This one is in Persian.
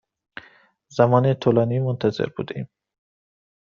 زمان طولانی منتظر بوده ایم.